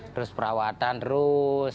terus perawatan terus